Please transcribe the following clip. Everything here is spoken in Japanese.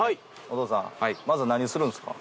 お父さんまず何するんですか？